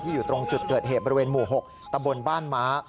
อยู่ตรงจุดเกิดเหตุบริเวณหมู่๖ตำบลบ้านม้า